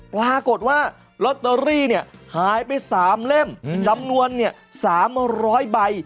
ปรากฏว่าล็อตเตอรี่เนี่ยหายไปสามเล่มอืมจำนวนเนี่ยสามร้อยใบ